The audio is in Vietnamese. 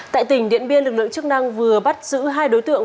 tại tỉnh điện biên lực lượng chức năng vừa bắt giữ hai đối tượng